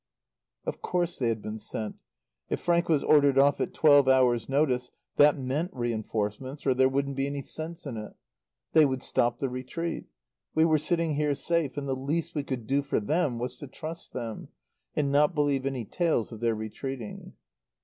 Of course they had been sent. If Frank was ordered off at twelve hours' notice that meant reinforcements, or there wouldn't be any sense in it. They would stop the retreat. We were sitting here, safe; and the least we could do for them was to trust them, and not believe any tales of their retreating.